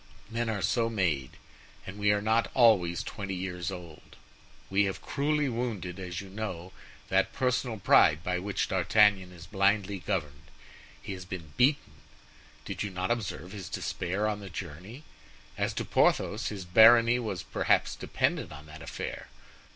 Men are so made; and we are not always twenty years old. We have cruelly wounded, as you know, that personal pride by which D'Artagnan is blindly governed. He has been beaten. Did you not observe his despair on the journey? As to Porthos, his barony was perhaps dependent on that affair.